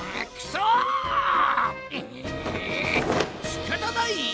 しかたない！